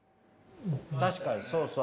確かにそうそう。